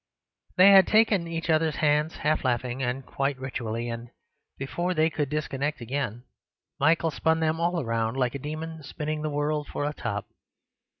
They had taken each other's hands, half laughing and quite ritually; and before they could disconnect again Michael spun them all round, like a demon spinning the world for a top.